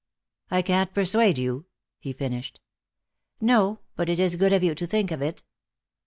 "I can't persuade you?" he finished. "No. But it is good of you to think of it."